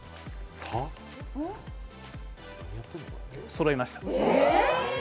そろいました。